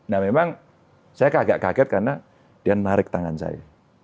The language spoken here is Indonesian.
nah memang saya agak kaget karena dia menarik tangan saya